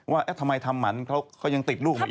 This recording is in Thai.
ว่าทำไมทำหมันเขาก็ยังติดลูกมาอีก